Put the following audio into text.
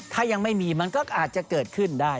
ถ้ายังไม่มีมันก็อาจจะเกิดขึ้นได้